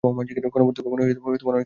গণপূর্ত ভবনে কাজ করে।